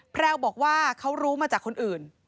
แพรวบอกว่าเขารู้มาจากคนอื่น